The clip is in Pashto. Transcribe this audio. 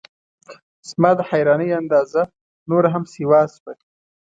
زما د حیرانۍ اندازه نوره هم سیوا شوه.